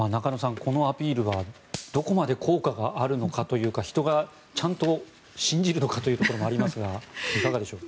このアピールがどこまで効果があるのかというか人がちゃんと信じるのかというところもありますが、いかがでしょうか。